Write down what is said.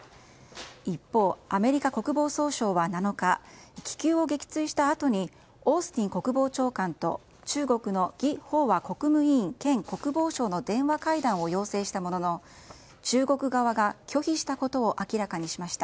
一方、アメリカ国防総省は７日気球を撃墜したあとにオースティン国防長官と中国のギ・ホウワ国務委員兼国防相の電話会談を要請したものの中国側が拒否したことを明らかにしました。